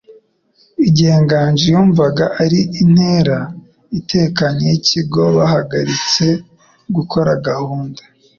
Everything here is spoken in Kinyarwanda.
Igihe Nganji yumvaga ari intera itekanye yikigo, bahagaritse gukora gahunda.